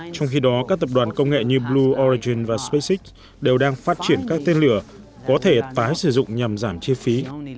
trong khi đó các tập đoàn công nghệ như blue origin và spacex đều đang phát triển các tên lửa có thể tái sử dụng nhằm giảm chi phí